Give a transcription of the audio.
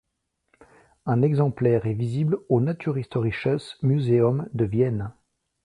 Un exemplaire est visible au Naturhistorisches Museum de Vienne.